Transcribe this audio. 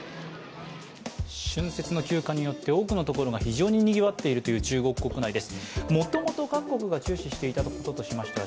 春節の休暇によって多くの所が非常ににぎわっている中国国内です。